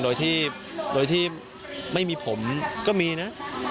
โดยที่ไม่มีผมก็มีนะ